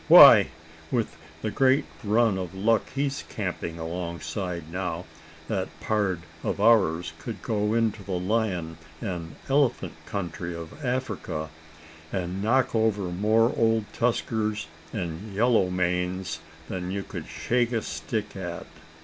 "Why, with the great run of luck he's camping alongside now, that pard of ours could go into the lion and elephant country of Africa, and knock over more old tuskers and yellow manes than you could shake a stick at."